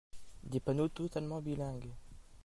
Des panneaux totalement bilingues.